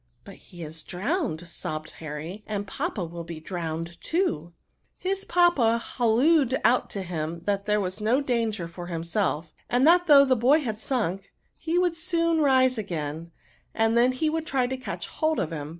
" But he is drowned," sob bed Harry, " and papa will be drowned too/* His papa hallooed out to him that there was no danger for himself; and that though the boy had sunk, he would soon rise again, and then he would try to catch hold of him.